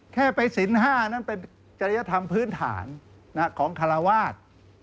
แค่ไปสิน๕นั้นเป็นจริยธรรมพื้นฐานของคาราวาส